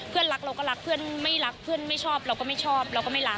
รักเราก็รักเพื่อนไม่รักเพื่อนไม่ชอบเราก็ไม่ชอบเราก็ไม่รัก